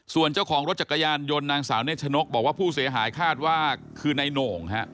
ส่วนเจ้าของรถจักรยานยนต์นางสาวเนชนกบอกว่าผู้เสียหายคาดว่าคือในโหน่ง